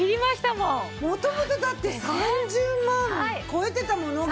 もともとだって３０万超えてたものが。